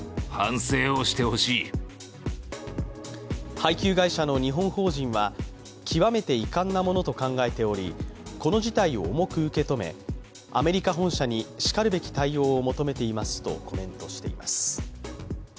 配給会社の日本法人は、極めて遺憾なものと考えており、この事態を重く受け止めアメリカ本社にしかるべき対応を求めていますとコメントしています。